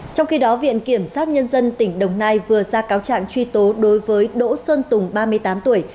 trong khi đó viện kiểm sát nhân dân tỉnh đồng nai vừa ra cáo trạng truy tố đối với đỗ sơn tùng ba mươi tám tuổi